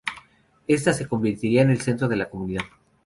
Esta se convertiría en el centro de la comunidad.